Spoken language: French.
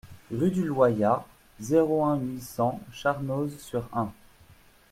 Rue du Loyat, zéro un, huit cents Charnoz-sur-Ain